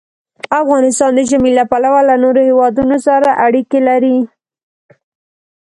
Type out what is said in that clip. افغانستان د ژمی له پلوه له نورو هېوادونو سره اړیکې لري.